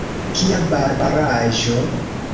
Kia barbaraĵo!